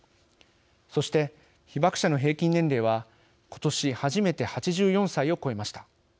そして、被爆者の平均年齢は今年、初めて８４歳を超えました。